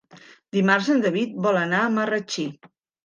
Dimarts en David vol anar a Marratxí.